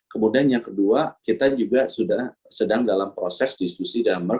kemudian yang kedua kita juga sudah sedang dalam proses diskusi